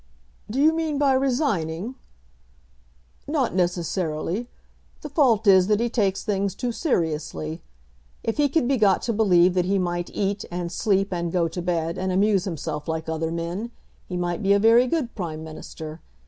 "Do you mean by resigning?" "Not necessarily. The fault is that he takes things too seriously. If he could be got to believe that he might eat, and sleep, and go to bed, and amuse himself like other men, he might be a very good Prime Minister.